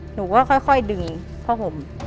หนูก็ค่อยดึงผ้าห่ม